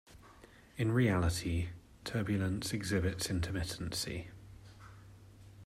In reality, turbulence exhibits intermittency.